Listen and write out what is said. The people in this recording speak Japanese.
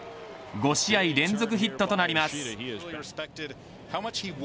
５試合連続ヒットとなります。